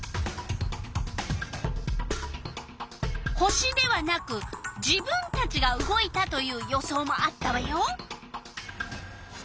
星ではなく自分たちが動いたという予想もあったわよ。